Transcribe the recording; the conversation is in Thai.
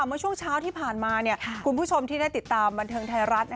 เมื่อช่วงเช้าที่ผ่านมาคุณผู้ชมที่ได้ติดตามบันเทิงไทยรัฐ